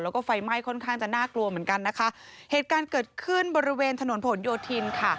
แล้วก็ไฟไหม้ค่อนข้างจะน่ากลัวเหมือนกันนะคะเหตุการณ์เกิดขึ้นบริเวณถนนผลโยธินค่ะ